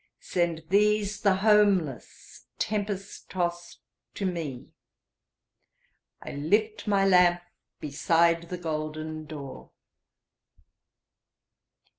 Send these, the homeless, tempest tost to me,I lift my lamp beside the golden door!"